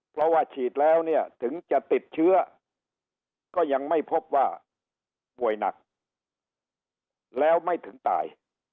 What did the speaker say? เพราะว่าฉีดแล้วเนี่ยถึงจะติดเชื้อก็ยังไม่พบว่าป่วยหนักแล้วไม่ถึงตาย